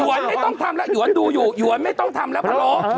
ไม่ต้องทำแล้วหวนดูอยู่หยวนไม่ต้องทำแล้วพะโล